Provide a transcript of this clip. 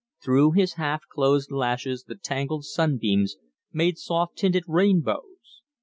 Through his half closed lashes the tangled sun beams made soft tinted rainbows.